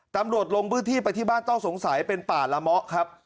ลงพื้นที่ไปที่บ้านต้องสงสัยเป็นป่าละเมาะครับ